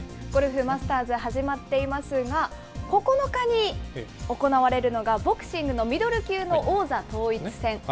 ゴルフ、マスターズ始まっていますが、９日に行われるのが、ボクシングのミドル級の王座統一戦。